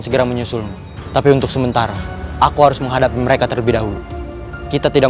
segera menyusul tapi untuk sementara aku harus menghadapi mereka terlebih dahulu kita tidak